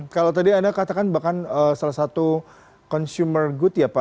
kalau tadi anda katakan bahkan salah satu consumer good ya pak